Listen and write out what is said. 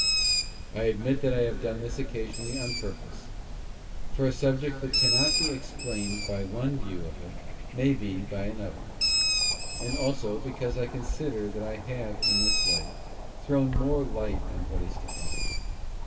I admit that I have done this occasionally on purpose; for a subject that cannot be ex plained by one view of it may be by another ; and also because I consider that I have in this way thrown more light on what is to follow.